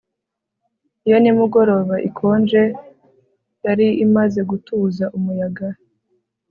Iyo nimugoroba ikonje yari imaze gutuza umuyaga